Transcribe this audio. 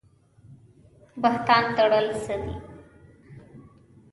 بهتان تړل څه دي؟